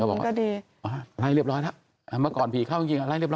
อืมก็ดีอ๋อไล่เรียบร้อยแล้วมาก่อนพี่เข้าจริงไล่เรียบร้อย